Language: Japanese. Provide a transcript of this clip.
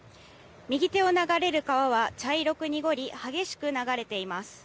右手を流れる川は茶色く濁り、激しく流れています。